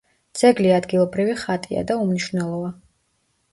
ძეგლი ადგილობრივი ხატია და უმნიშვნელოა.